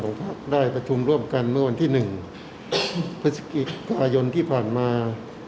ของภักดิ์ได้ประทุมร่วมกันเมื่อวันที่หนึ่งภาษากิจกาหยนต์ที่ผ่านมา